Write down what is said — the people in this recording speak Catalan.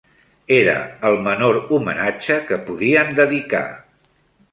Era el menor homenatge que podien dedicar.